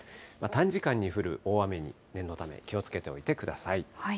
短時間に降る大雨に、念のため、気をつけておいてください。